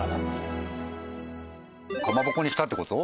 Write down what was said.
かまぼこにしたって事？